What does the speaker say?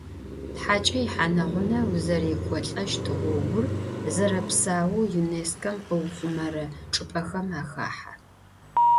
Тхьакӏэ ихьанэ-гъунэ узэрекӏолӏэщт гъогур зэрэпсаоу ЮНЕСКО-м къыухъумэрэ чӏыпӏэхэм ахахьэ.